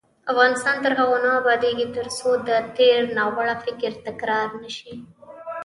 افغانستان تر هغو نه ابادیږي، ترڅو د تیر ناوړه فکر تکرار نشي.